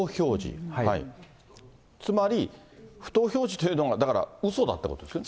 つまり、不当表示というのは、うそだってことですね。